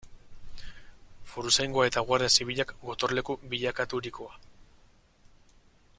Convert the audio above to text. Foruzaingoa eta Guardia Zibilak gotorleku bilakaturikoa.